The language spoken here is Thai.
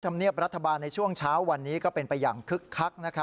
ธรรมเนียบรัฐบาลในช่วงเช้าวันนี้ก็เป็นไปอย่างคึกคัก